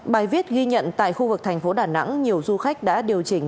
bài viết ghi nhận tại khu vực thành phố đà nẵng nhiều du khách đã điều chỉnh